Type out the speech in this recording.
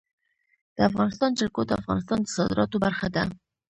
د افغانستان جلکو د افغانستان د صادراتو برخه ده.